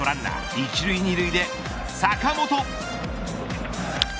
一塁二塁で坂本。